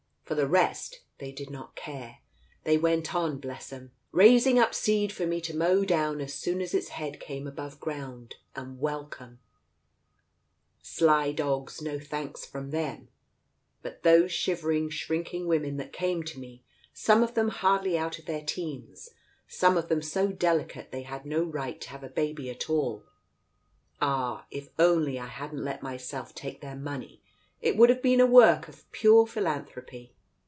For the rest, they did not care. They went on, bless 'em, raising up seed for me to mow down as soon as its head came above ground, and welcome ! Sly dogs, no thanks from them ! But those shivering, shrinking women that came to me, some of them hardly out of their teens, some of them so delicate they had no right to have a baby at all !— Ah, if only I hadn't let myself take their money it would have been a work of pure philanthropy.